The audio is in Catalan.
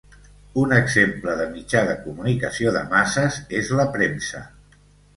Un exemple de mitjà de comunicació de masses és la premsa.